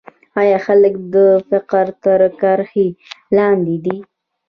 آیا خلک د فقر تر کرښې لاندې دي؟